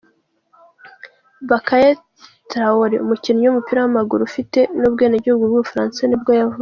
Bakaye Traoré, umukinnyi w’umupira w’umunyamali ufite n’ubwenegihugu bw’ubufaransa nibwo yavutse.